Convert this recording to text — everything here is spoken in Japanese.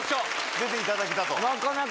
出ていただけたと。